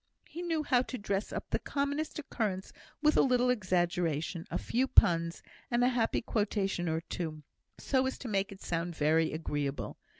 He knew how to dress up the commonest occurrence with a little exaggeration, a few puns, and a happy quotation or two, so as to make it sound very agreeable.